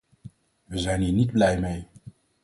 We zijn hier niet blij mee.